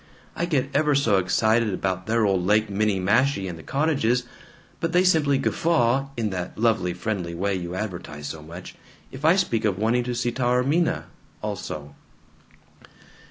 I get ever so excited about their old Lake Minniemashie and the cottages, but they simply guffaw (in that lovely friendly way you advertise so much) if I speak of wanting to see Taormina also."